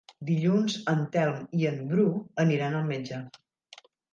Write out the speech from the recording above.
Dilluns en Telm i en Bru aniran al metge.